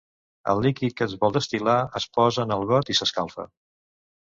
El líquid que es vol destil·lar es posa en el got i s'escalfa.